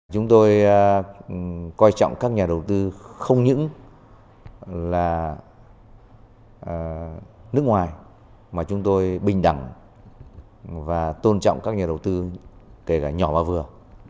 chúng tôi coi trọng các nhà đầu tư không những là nước ngoài mà chúng tôi bình đẳng và tôn trọng các nhà đầu tư kể cả nhỏ và vừa